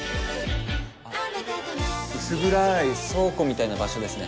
薄暗い倉庫みたいな場所ですね。